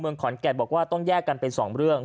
ขอนแก่นบอกว่าต้องแยกกันเป็นสองเรื่อง